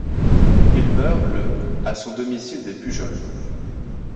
Il meurt le à son domicile des Pujols.